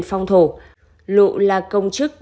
phong thổ lụ là công chức